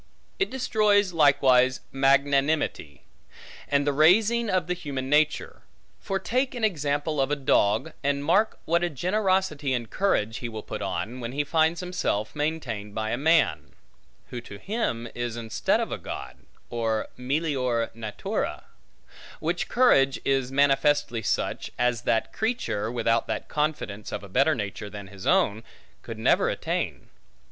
It destroys likewise magnanimity, and the raising of human nature; for take an example of a dog, and mark what a generosity and courage he will put on, when he finds himself maintained by a man; who to him is instead of a God, or melior natura; which courage is manifestly such, as that creature, without that confidence of a better nature than his own, could never attain.